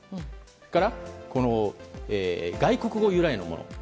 それから、外国語由来のもの。